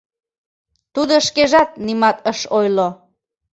Тудо шкежат нимат ыш ойло.